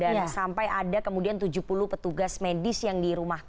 dan sampai ada kemudian tujuh puluh petugas medis yang di rumah kami